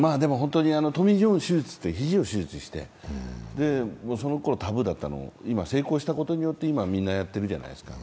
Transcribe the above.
トミー・ジョーンズ手術っていう肘を手術して、そのころタブーだったのが、今、成功したことによって今、みんなやってるじゃないですか。